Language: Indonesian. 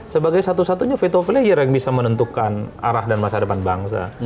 sebagai satu satunya veto player yang bisa menentukan arah dan masa depan bangsa